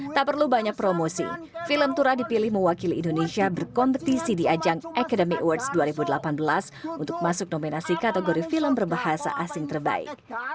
tak perlu banyak promosi film turah dipilih mewakili indonesia berkompetisi di ajang academy awards dua ribu delapan belas untuk masuk nominasi kategori film berbahasa asing terbaik